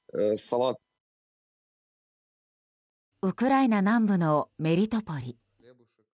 ウクライナ南部のメリトポリ。